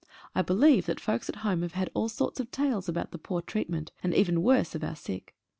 I believe that folks at home have had all sorts of tales about the poor treatment, and even worse of our sick.